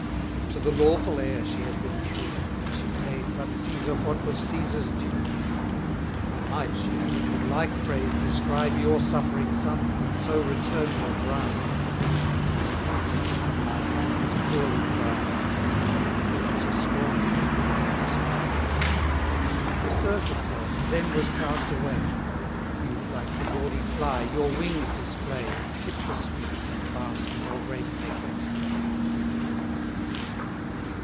If to the lawful heir she had been true, She paid but Cæsar what was Cæsar's due. 60 I might, she added, with like praise describe Your suffering sons, and so return your bribe: But incense from my hands is poorly prized; For gifts are scorn'd where givers are despised. I served a turn, and then was cast away; You, like the gaudy fly, your wings display, And sip the sweets, and bask in your great patron's day.